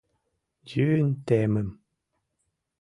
— Йӱын темым...